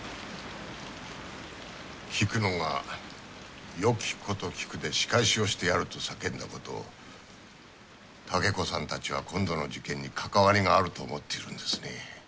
菊乃が斧琴菊で仕返しをしてやると叫んだことを竹子さんたちは今度の事件にかかわりがあると思っているんですね。